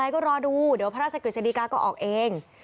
ก็รอดูเดี๋ยวพระราชกฤษฎีกาก็ออกเอง